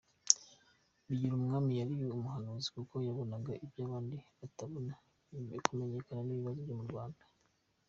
Bigirumwami yari umuhanuzi, kuko yabonaga iby’abandi batabona kubyerekeranye n’ibibazo byo mu Rwanda.